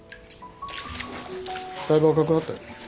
だいぶ赤くなったね。